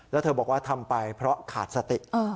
แล้วเธอบอกว่าทำไปเพราะขาดสติ